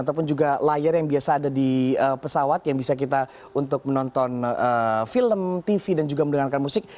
ataupun juga layar yang biasa ada di pesawat yang bisa kita untuk menonton film tv dan juga mendengarkan musik